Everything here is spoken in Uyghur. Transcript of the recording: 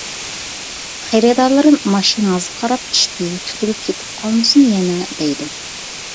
خېرىدارلىرىم ماشىنىڭىزغا قاراپ ئىشتىيى تۇتۇلۇپ كېتىپ قالمىسۇن يەنە دەيدۇ.